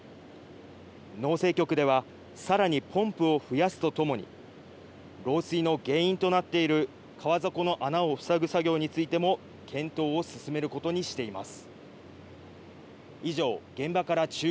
農政局では、さらにポンプを増やすとともに、漏水の原因となっている川底の穴を塞ぐ作業についても、検討を進めることにしています。